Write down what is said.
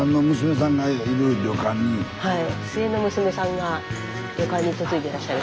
はい。